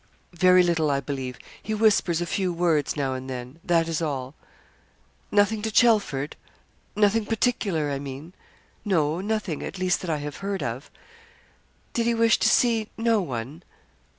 'Very little, I believe. He whispers a few words now and then that is all.' 'Nothing to Chelford nothing particular, I mean?' 'No nothing at least that I have heard of.' 'Did he wish to see no one?'